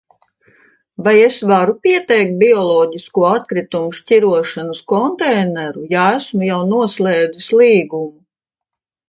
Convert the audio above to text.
Vai es varu pieteikt bioloģisko atkritumu šķirošanas konteineru, ja esmu jau noslēdzis līgumu?